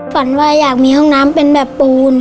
ฝันว่าอยากมีห้องน้ำเป็นแบบปูน